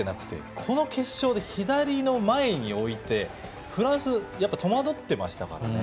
この決勝で左の前に置いてフランス、やっぱり戸惑っていましたから。